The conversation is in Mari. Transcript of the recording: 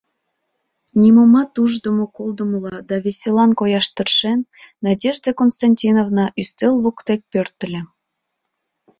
Нимомат уждымо-колдымыла да веселан кояш тыршен, Надежда Константиновна ӱстел воктек пӧртыльӧ.